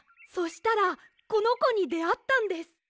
そしたらこのこにであったんです。